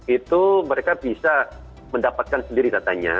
itu mereka bisa mendapatkan sendiri datanya